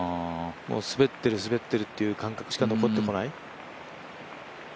滑ってる滑ってるっていう感覚しか残ってこない。